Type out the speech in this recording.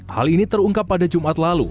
hal ini terungkap pada jumat lalu